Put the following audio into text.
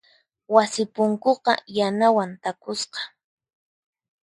Wasi punkuqa yanawan takusqa.